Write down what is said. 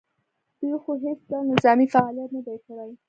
دوی خو هېڅ ډول نظامي فعالیت نه دی کړی